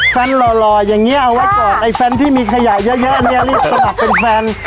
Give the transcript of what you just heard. แฟนหล่อแบบนี้เอาไว้ครอบแฟนที่มีขยับอย่างเยอะเรียกสมัครเป็นแฟน